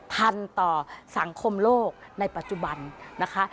ทันต่อสังคมโลกในปัจจุบันนะคะ